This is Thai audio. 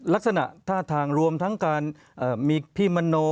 ลักษณะท่าทางรวมทั้งการมีพี่มโน